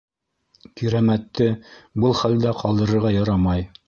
- Кирәмәтте был хәлдә ҡалдырырға ярамай.